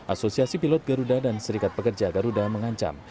asosiasi pilot garuda dan serikat pekerja garuda mengancam